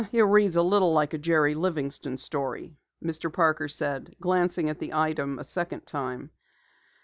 "It reads a little like a Jerry Livingston story," Mr. Parker said, glancing at the item a second time.